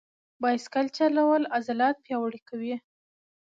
بایسکل چلول عضلات پیاوړي کوي.